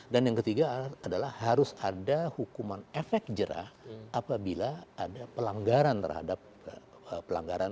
dan yang ketiga adalah harus ada hukuman efek jerah apabila ada pelanggaran terhadap pelanggaran